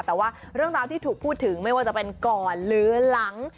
แต่ว่าเรื่องราวที่ถูกพูดถึงไม่ว่าจะเป็นก่อนหรือหลัง